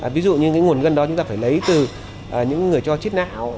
ví dụ như cái nguồn gân đó chúng ta phải lấy từ những người cho chết não